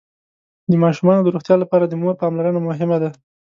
د ماشومانو د روغتيا لپاره د مور پاملرنه مهمه ده.